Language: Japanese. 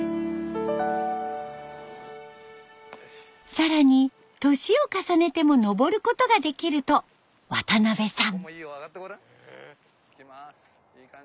更に年を重ねても登ることができると渡邉さん。